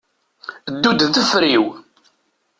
Ddu-d deffr-iw.